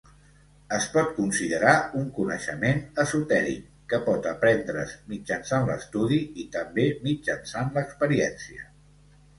Es pot considerar un coneixement esotèric, que pot aprendre's mitjançant l'estudi i també mitjançant l'experiència.